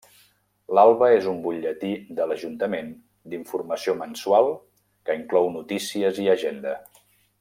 L'alba és un butlletí de l'Ajuntament d'informació mensual que inclou notícies i agenda.